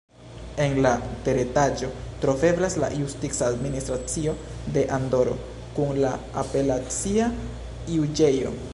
En la teretaĝo troveblas la justica administracio de Andoro kun la apelacia juĝejo.